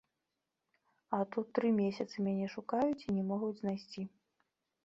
А тут тры месяцы мяне шукаюць і не могуць знайсці.